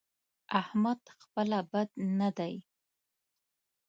احمد خپله بد نه دی؛